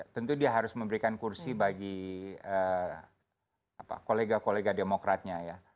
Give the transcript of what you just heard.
tentu dia harus memberikan kursi bagi kolega kolega demokratnya ya